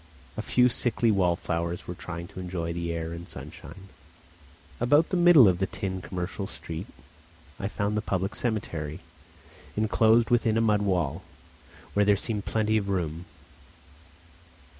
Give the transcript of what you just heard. A few sickly wallflowers were trying to enjoy the air and sunshine. About the middle of the tin commercial street I found the public cemetery, inclosed with a mud wall, and where there seemed plenty of room.